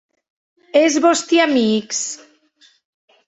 E es vòsti amics?